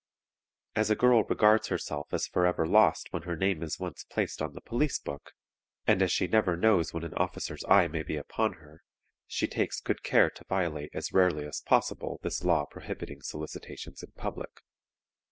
As a girl regards herself as forever lost when her name is once placed on the police book, and as she never knows when an officer's eye may be upon her, she takes good care to violate as rarely as possible this law prohibiting solicitations in public.